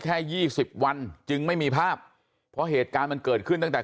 ยี่สิบวันจึงไม่มีภาพเพราะเหตุการณ์มันเกิดขึ้นตั้งแต่